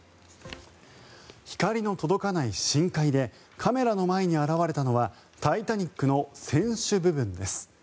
光の届かない深海でカメラの前に現れたのは「タイタニック」の船首部分です。